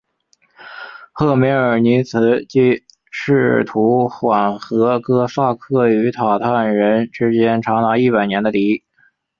赫梅尔尼茨基试图缓和哥萨克与鞑靼人之间长达一百年的敌意。